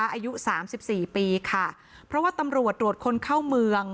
อายุสามสิบสี่ปีค่ะเพราะว่าตำรวจตรวจคนเข้าเมือง